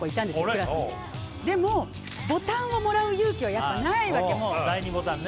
クラスにでもボタンをもらう勇気はやっぱないわけもう第２ボタンね